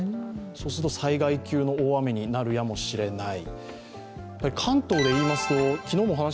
そうすると災害級の大雨にもなるやもしれない。